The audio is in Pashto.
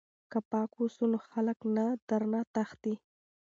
که پاک اوسو نو خلک نه درنه تښتي.